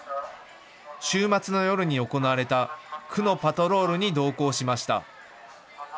週末の夜に行われた区のパトロールに同行しました。